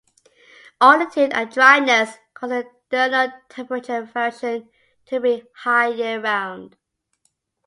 Altitude and dryness cause the diurnal temperature variation to be high year-round.